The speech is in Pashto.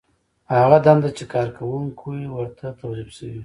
هغه دنده چې کارکوونکی ورته توظیف شوی وي.